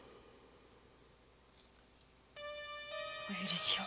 お許しを。